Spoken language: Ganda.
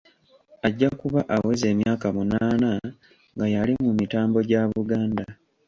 Ajja kuba aweza emyaka munaana nga y'ali mu mitambo gya Buganda.